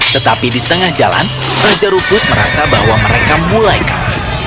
tetapi di tengah jalan raja rufus merasa bahwa mereka mulai kalah